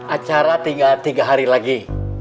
acara tinggal tiga hari lagi